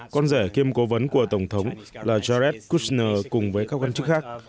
con rẻ kiêm cố vấn của tổng thống là jared kushner cùng với các quan chức khác